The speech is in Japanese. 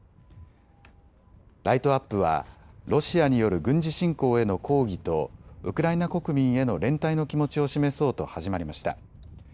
ライトアップはロシアによる軍事侵攻への抗議とウクライナ国民への連帯の気持ちを示そうと始まりました。